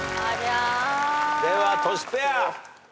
ではトシペア。